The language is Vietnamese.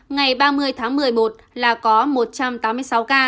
ngày ba mươi tháng một mươi một là có một trăm tám mươi sáu ca